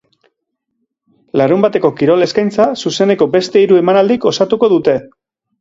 Larunbateko kirol eskaintza zuzeneko beste hiru emanaldik osatuko dute.